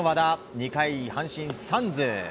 ２回、阪神のサンズ。